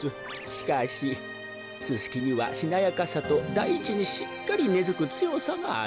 しかしススキにはしなやかさとだいちにしっかりねづくつよさがある。